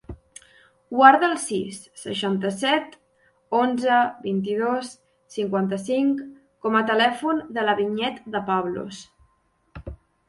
Guarda el sis, seixanta-set, onze, vint-i-dos, cinquanta-cinc com a telèfon de la Vinyet De Pablos.